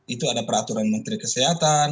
itu ada peraturan menteri kesehatan